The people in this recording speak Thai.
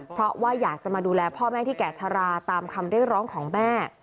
เพราะว่าอยากจะมาดูแลพ่อแม่ที่แก่ชะลาตามคำเรียกร้องของแม่